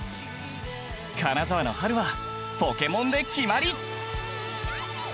金沢の春はポケモンで決まり！